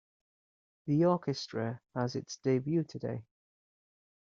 The orchestra has its debut today.